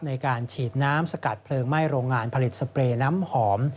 ในการฉีดน้ำสกัดเพลิงไหม้โรงงานผลิตสเปรย์น้ำหอม